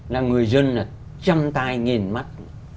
là người dân là chăm tay nghền mắt